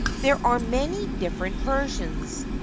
There are many different versions.